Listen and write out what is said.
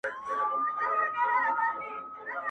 مار لا څه چي د پېړیو اژدهار وو؛